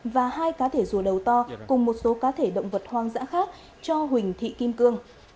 và hai cá thể rùa đầu to cùng một số cá thể động vật hoang dã khác cho huỳnh thị kim cương